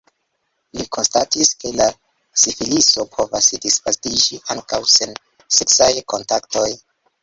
Li konstatis, ke la sifiliso povas disvastiĝi ankaŭ sen seksaj kontaktoj.